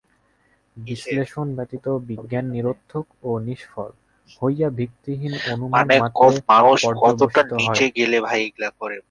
বিশ্লেষণ ব্যতীত বিজ্ঞান নিরর্থক ও নিষ্ফল হইয়া ভিত্তিহীন অনুমানমাত্রে পর্যবসিত হয়।